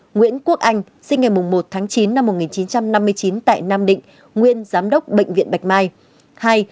một nguyễn quốc anh sinh ngày một tháng chín năm một nghìn chín trăm năm mươi chín tại nam định nguyên giám đốc bệnh viện bạch mai